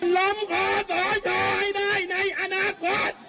ล้อมขอสะชาวให้ได้ในอนาคต